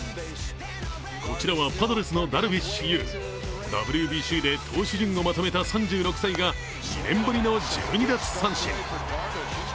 こちらはパドレスのダルビッシュ有ＷＢＣで投手陣をまとめた３６歳が２年ぶりの１２奪三振。